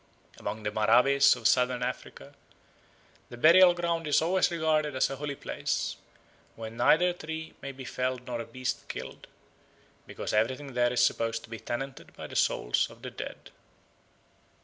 Among the Maraves of Southern Africa the burial ground is always regarded as a holy place where neither a tree may be felled nor a beast killed, because everything there is supposed to be tenanted by the souls of the dead.